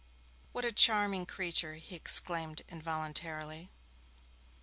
'What a charming creature!' he exclaimed involuntarily.